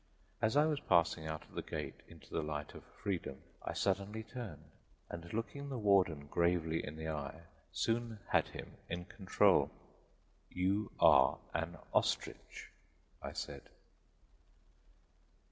As I was passing out of the gate into the light of freedom I suddenly turned and looking the warden gravely in the eye, soon had him in control. "You are an ostrich," I said.